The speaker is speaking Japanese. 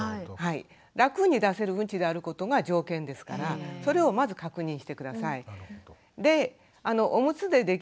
楽に出せるうんちであることが条件ですからそれをまず確認して下さい。